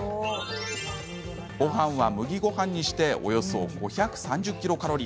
ごはんは麦ごはんにしておよそ５３０ｋｃａｌ。